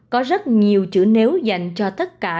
có rất nhiều chữ nếu dành cho tất cả